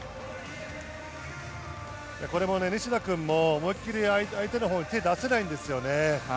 これも西田君も思いっきり相手のほうに手を出せないんですよね。